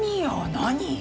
何？